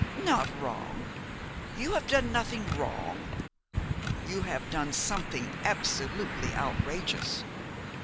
'Not wrong! You have done nothing wrong? You have done something absolutely outrageous.